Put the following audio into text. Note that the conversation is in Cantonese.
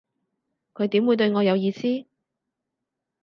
佢點會對我有意思